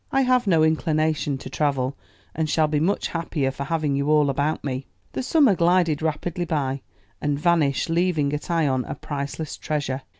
"I have no inclination to travel, and shall be much happier for having you all about me." The summer glided rapidly by, and vanished, leaving at Ion a priceless treasure.